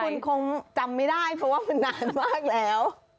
คงจำไม่ได้เพราะว่ามันนานมากแล้ว